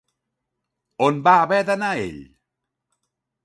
On va haver d'anar ell?